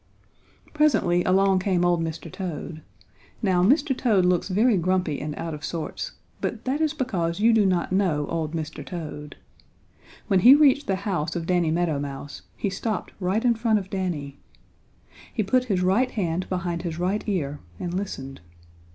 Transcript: Presently along came old Mr. Toad. Now Mr. Toad looks very grumpy and out of sorts, but that is because you do not know old Mr. Toad. When he reached the house of Danny Meadow Mouse he stopped right in front of Danny. He put his right hand behind his right ear and listened.